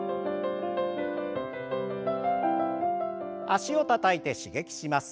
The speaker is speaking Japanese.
脚をたたいて刺激します。